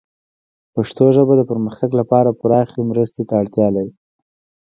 پښتو ژبه د پرمختګ لپاره پراخې مرستې ته اړتیا لري.